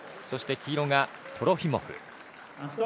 そして黄色がトロフィモフ。